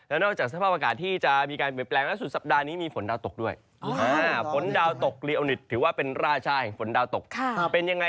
แล้วนอกจากสภาพอากาศที่จะมีการเปลี่ยนแปรง